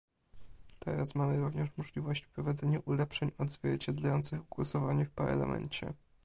Teraz mamy również możliwość wprowadzenia ulepszeń odzwierciedlających głosowanie w Parlamencie